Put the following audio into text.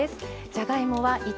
じゃがいもは糸